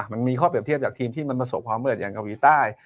มันมีข้อเปรียบเทียบจากทีมที่มันประสบความมืดอย่างเกาหลีใต้